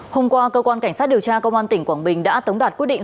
hôm qua cơ quan cảnh sát điều tra công an tỉnh quảng bình đã tống đạt quyết định